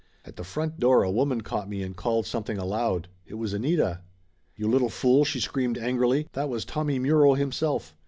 At the front door a woman caught me and called something aloud. It was Anita. "You little fool !" she screamed angrily. "That was Tommy Muro himself!"